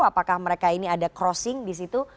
apakah mereka ini ada crossing di situ